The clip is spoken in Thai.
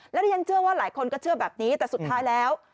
แล้วดิฉันเชื่อว่าหลายคนก็เชื่อแบบนี้แต่สุดท้ายแล้ว